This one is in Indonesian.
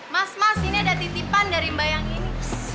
mas mas ini ada titipan dari mbak yang ini